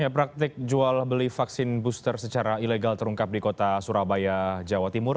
praktik jual beli vaksin booster secara ilegal terungkap di kota surabaya jawa timur